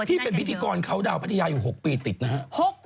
พี่เป็นพิธีกรเขาดาวพัทยาอยู่๖ปีติดนะฮะ